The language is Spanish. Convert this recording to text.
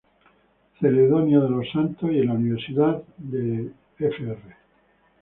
Celedonio de los Santos y en la universidad a Fr.